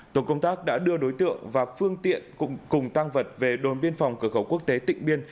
tổ công tác đã đưa đối tượng và phương tiện cùng tăng vật về đồn biên phòng cửa khẩu quốc tế tịnh biên